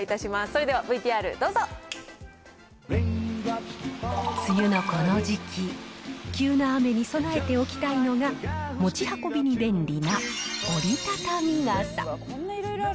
それではＶＴ梅雨のこの時期、急な雨に備えておきたいのが、持ち運びに便利な折りたたみ傘。